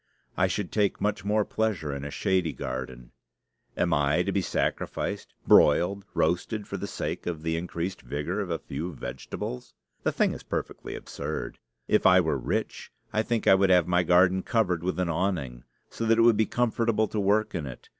I should take much more pleasure in a shady garden. Am I to be sacrificed, broiled, roasted, for the sake of the increased vigor of a few vegetables? The thing is perfectly absurd. If I were rich, I think I would have my garden covered with an awning, so that it would be comfortable to work in it.